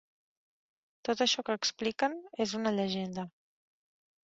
Tot això que expliquen és una llegenda.